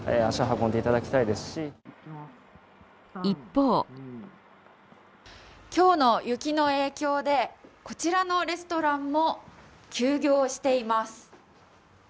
一方今日の雪の影響でこちらのレストランも休業しています。